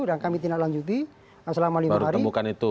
dan kami tidak lanjuti selama lima hari